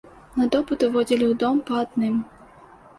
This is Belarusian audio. На допыт уводзілі ў дом па адным.